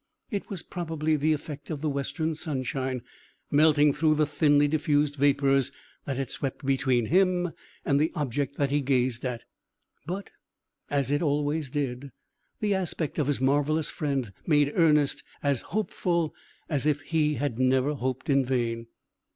It was probably the effect of the western sunshine, melting through the thinly diffused vapours that had swept between him and the object that he gazed at. But as it always did the aspect of his marvellous friend made Ernest as hopeful as if he had never hoped in vain.